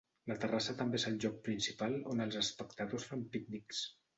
La terrassa també és el lloc principal on els espectadors fan pícnics.